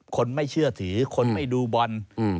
คนไม่เชื่อถือคนไม่ดูบอล